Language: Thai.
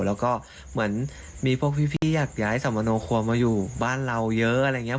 แล้วก็เหมือนมีพวกพี่อยากย้ายสมโนครัวมาอยู่บ้านเราเยอะอะไรอย่างนี้